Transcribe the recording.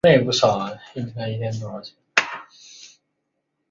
瓢箪藤棒粉虱为粉虱科棒粉虱属下的一个种。